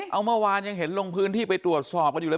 เอาเมื่อวานยังเห็นลงพื้นที่ไปตรวจสอบกันอยู่เลย